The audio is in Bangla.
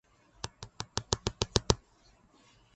এরা বিশ্বের তৃতীয় সবথেকে সাধারণ মাছরাঙা বলে অনুমোদিত।